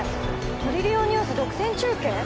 「トリリオンニュース」独占中継？